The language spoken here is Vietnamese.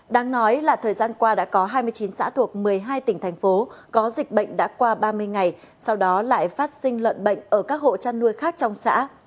đáng nói là thời gian qua đã có hai mươi chín xã thuộc một mươi hai tỉnh thành phố có dịch bệnh đã qua ba mươi ngày sau đó lại phát sinh lợn bệnh ở các hộ chăn nuôi khác trong xã